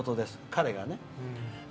彼がね。